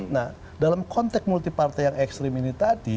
nah dalam konteks multi partai yang ekstrim ini tadi